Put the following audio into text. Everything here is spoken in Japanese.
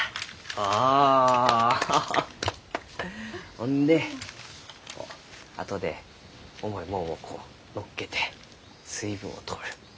ほんであとで重いもんをこう載っけて水分を取る。